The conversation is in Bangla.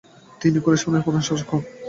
তিনি খোরাসানের প্রধান শাসক হন।